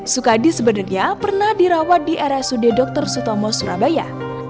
sukadi sebenarnya pernah dirawat di rsud dr sutomo surabaya